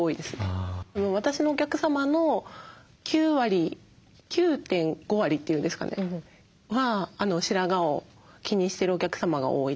私のお客様の９割９．５割って言うんですかねは白髪を気にしてるお客様が多いです。